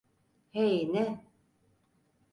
Hey, ne?